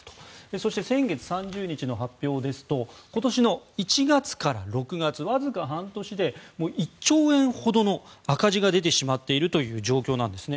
そして、先月３０日の発表では今年の１月から６月わずか半年で１兆円ほどの赤字が出てしまっている状況です。